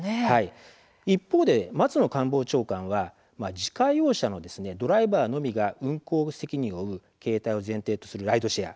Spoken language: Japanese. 一方で、松野官房長官は自家用車のドライバーのみが運行責任を負う形態を前提とするライドシェア